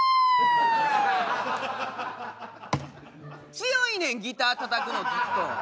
強いねんギターたたくのずっと！